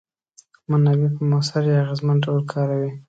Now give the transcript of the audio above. منابع په موثر یا اغیزمن ډول کاروي.